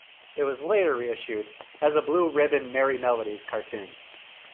It was later reissued as a Blue Ribbon Merrie Melodies cartoon.